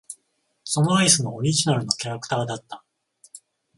そのアイスのオリジナルのキャラクターだった。